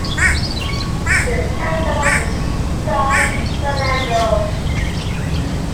Its capital is San Fernando.